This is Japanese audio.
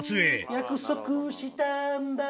約束したんだー。